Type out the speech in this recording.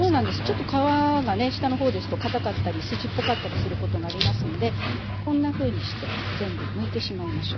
ちょっと皮がね下の方ですとかたかったり筋っぽかったりすることがありますんでこんなふうにして全部むいてしまいましょう。